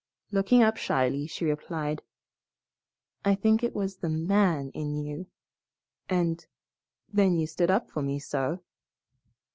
Looking up shyly, she replied, "I think it was the MAN in you and then you stood up for me so."